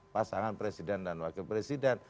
pasangan presiden dan wakil presiden